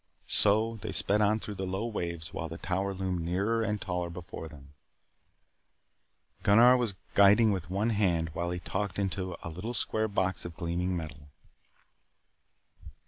So they sped on through the low waves while the Tower loomed nearer and taller before them. Gunnar was guiding with one hand while he talked into a little square box of gleaming metal.